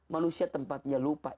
manusia tempatnya lupa